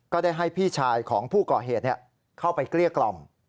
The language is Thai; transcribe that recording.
ได้ให้พี่ชายของผู้ก่อเหตุเข้าไปเกลี้ยกล่อม